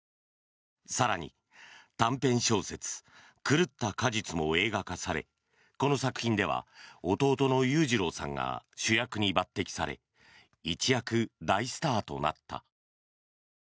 更に、短編小説「狂った果実」も映画化されこの作品では弟の裕次郎さんが主役に抜てきされ一躍、大スターとなった。